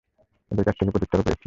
ওদের কাছ থেকে প্রত্যুত্তরও পেয়েছি।